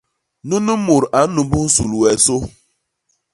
Nunu mut a nnumbus nsul wee sô.